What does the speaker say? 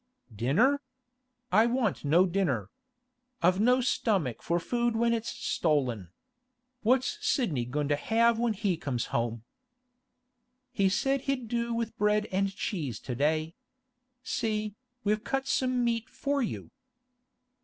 'Dinner? I want no dinner. I've no stomach for food when it's stolen. What's Sidney goin' to have when he comes home?' 'He said he'd do with bread and cheese to day. See, we've cut some meat for you?